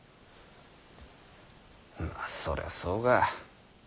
まあそりゃそうか。